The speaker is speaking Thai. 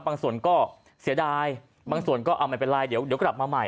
บางส่วนก็เสียดายบางส่วนก็ไม่เป็นไรเดี๋ยวกลับมาใหม่